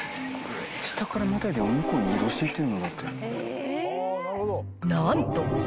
下からまたいで向こうに移動していってる。